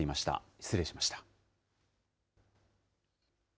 失礼しました。